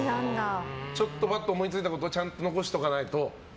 ちょっとパッと思いついたことをちゃんと残しておかないと。